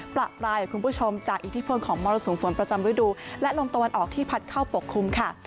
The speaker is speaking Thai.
ประปรายกับคุณผู้ชมจากอิทธิพลของมรสุมฝนประจำฤดูและลมตะวันออกที่พัดเข้าปกคลุมค่ะ